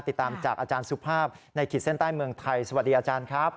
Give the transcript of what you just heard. ติดตามจากอาจารย์สุภาพในขีดเส้นใต้เมืองไทยสวัสดีอาจารย์ครับ